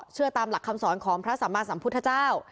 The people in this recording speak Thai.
เชื่อตามหลักคำสอนของพระสัมมาสัมพุทธเจ้า